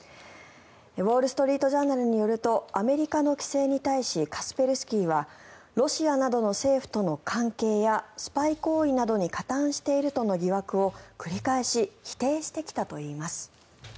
ウォール・ストリート・ジャーナルによるとアメリカの規制に対しカスペルスキーはロシアなどの政府との関係やスパイ行為などに加担しているとの疑惑を繰り返し否定してきたといいます。